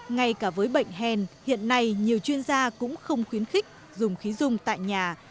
ngay cả với bệnh hèn hiện nay nhiều chuyên gia cũng không khuyến khích dùng khí dung tại nhà